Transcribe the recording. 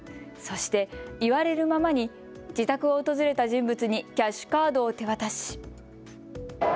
そして言われるままに自宅を訪れた人物にキャッシュカードを手渡し。